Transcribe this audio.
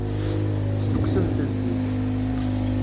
Ssukksemt-tent-id.